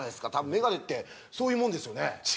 メガネってそういうものですよね？